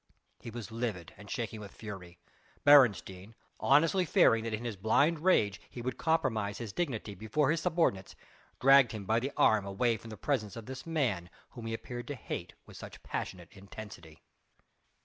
He was livid and shaking with fury. Beresteyn honestly fearing that in his blind rage he would compromise his dignity before his subordinates dragged him by the arm away from the presence of this man whom he appeared to hate with such passionate intensity.